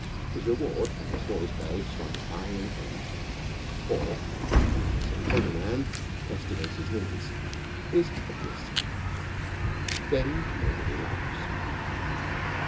His reward, from the smallest babe swung high in air, or, if he is an older man, pressed against his knees, is a kiss. Then nobody laughs.